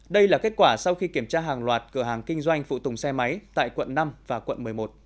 đây là kết quả sau khi kiểm tra hàng loạt cửa hàng kinh doanh phụ tùng xe máy tại quận năm và quận một mươi một